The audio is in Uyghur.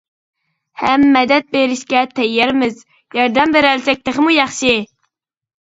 ھەم مەدەت بېرىشكە تەييارمىز، ياردەم بېرەلىسەك تېخىمۇ ياخشى!